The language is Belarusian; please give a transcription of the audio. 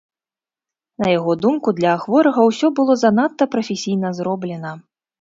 На яго думку, для хворага ўсё было занадта прафесійна зроблена.